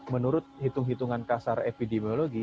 menurut hitung hitungan kasar epidemiologi